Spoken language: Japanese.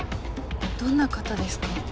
どんな方ですか？